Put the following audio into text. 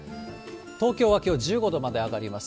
東京はきょう１５度まで上がります。